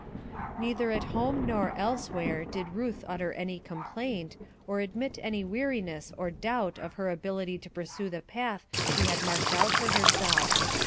Neither at home nor elsewhere did Ruth utter any complaint, or admit any weariness or doubt of her ability to pursue the path she had marked out for herself.